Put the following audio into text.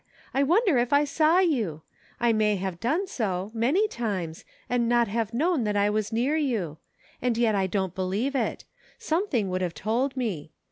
I wonder if I saw you .'' I may have done so, many times, and not have known that I was near you ; and yet I don't believe it ; something would have told me.